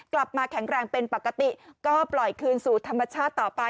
กลับมาแข็งแรงเป็นปกติก็ปล่อยคืนสู่ธรรมชาติต่อไป